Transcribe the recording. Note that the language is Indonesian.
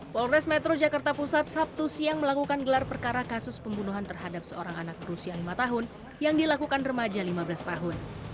polres metro jakarta pusat sabtu siang melakukan gelar perkara kasus pembunuhan terhadap seorang anak berusia lima tahun yang dilakukan remaja lima belas tahun